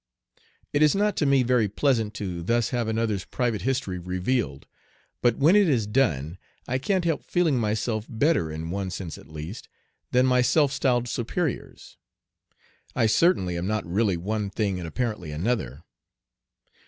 It is not to me very pleasant to thus have another's private history revealed, but when it is done I can't help feeling myself better in one sense at least than my self styled superiors. I certainly am not really one thing and apparently another.